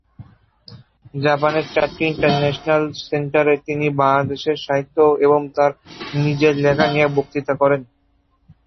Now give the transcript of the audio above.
জাপানের চারটি ইন্টারন্যাশনাল সেন্টারে তিনি বাংলাদেশের সাহিত্য এবং তার নিজের লেখা নিয়ে বক্তৃতা করেন।